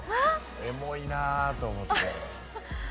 エモいなーと思って。